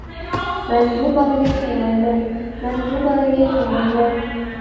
مەن بۇ بالىنى تۇغمايمەن مەن بۇ بالىنى تۇغمايمەن!